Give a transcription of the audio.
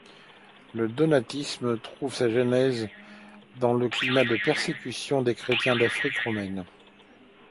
Le donatisme trouve sa genèse dans un climat de persécutions des chrétiens d’Afrique romaine.